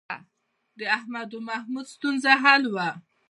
د احمد او محمود ستونزه حل وه